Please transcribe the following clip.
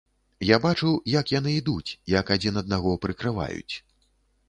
Я бачыў, як яны ідуць, як адзін аднаго прыкрываюць.